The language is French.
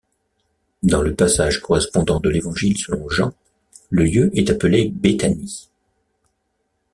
Dans le passage correspondant de l'Évangile selon Jean, le lieu est appelé Béthanie.